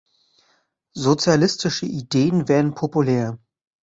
Sozialistische Ideen werden populär.